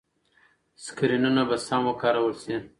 سکرینونه به سم وکارول شي.